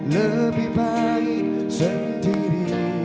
lebih baik sendiri